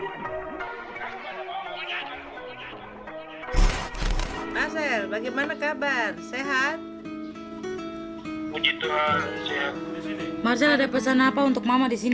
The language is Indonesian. semoga saya disini dengan teman teman bisa berkarya dengan baik disini